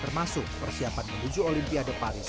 termasuk persiapan menuju olympiade paris dua ribu dua puluh empat